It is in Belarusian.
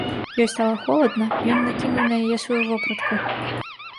Ёй стала холадна, ён накінуў на яе сваю вопратку.